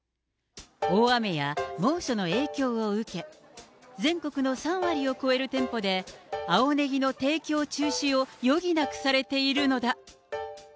大雨や猛暑の影響を受け、全国の３割を超える店舗で、青ネギの提供中止を余儀なくされているのだ。